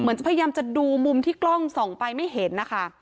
จะพยายามจะดูมุมที่กล้องส่องไปไม่เห็นนะคะ